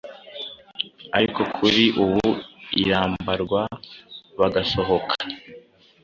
ariko kuri ubu irambarwa bagasohoka